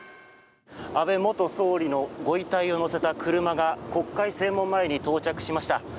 安倍元総理のご遺体を乗せた車が国会正門前に到着しました。